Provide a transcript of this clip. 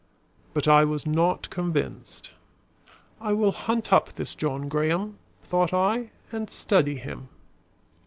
But I was not convinced. "I will hunt up this John Graham," thought I, "and study him."